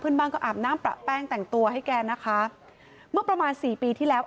บ้านก็อาบน้ำประแป้งแต่งตัวให้แกนะคะเมื่อประมาณสี่ปีที่แล้ว